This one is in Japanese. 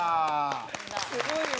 すごいわ。